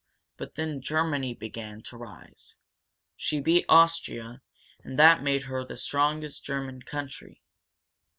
But then Germany began to rise. She beat Austria, and that made her the strongest German country.